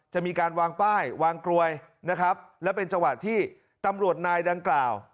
จะมีการวางป้ายวางกลวยนะครับและเป็นจังหวะที่ตำรวจนายดังกล่าว